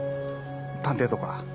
探偵とか？